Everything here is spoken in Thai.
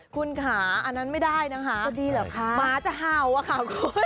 คุณขาอันนั้นไม่ได้นะคะมาจะเห่าค่ะคุณจะดีหรือคะ